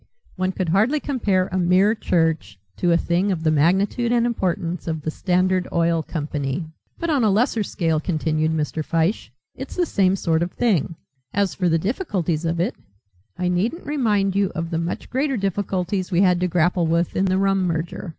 One could hardly compare a mere church to a thing of the magnitude and importance of the Standard Oil Company. "But on a lesser scale," continued Mr. Fyshe, "it's the same sort of thing. As for the difficulties of it, I needn't remind you of the much greater difficulties we had to grapple with in the rum merger.